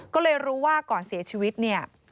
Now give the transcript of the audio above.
ก็เลยรู้ว่าก่อนเสียชีวิตเนี่ย